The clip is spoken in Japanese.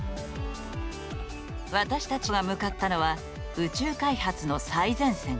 私たちが向かったのは宇宙開発の最前線。